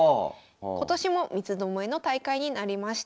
今年も三つどもえの大会になりました。